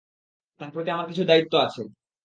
তার প্রতি আমার কিছু দায়িত্ব আছে।